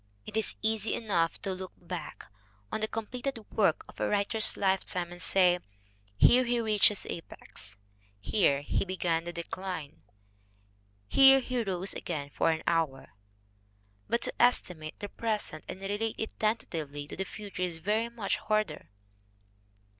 It is easy enough to look back on the com pleted work of a writer's lifetime and say, "Here he KATHLEEN NORRIS 77 reached his apex, here he began to decline, here he rose again for an hour." But to estimate the present and relate it tentatively to the future is very much harder.